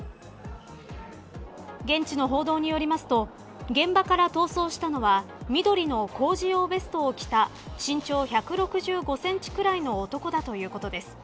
現地の報道によりますと現場から逃走したのは緑の工事用ベストを着た身長１６５センチくらいの男だということです。